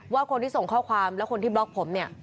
ว่าคนที่ส่งข้อความและคนที่บล็อกผมเนี่ย